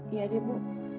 iya deh bu